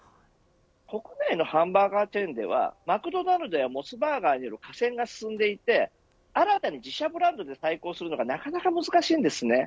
国内のハンバーガーチェーンではマクドナルドやモスバーガーによる寡占が進んでいて新たに自社ブランドで対抗するのはなかなか難しいです。